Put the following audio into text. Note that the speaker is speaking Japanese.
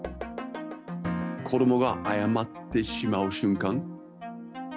子どもが謝ってしまう瞬間。